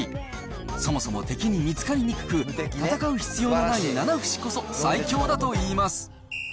そもそも敵に見つかりにくく、戦う必要がないナナフシこそ最強だといいます。